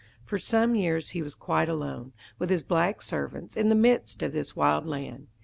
For some years he was quite alone, with his black servants, in the midst of this wild land.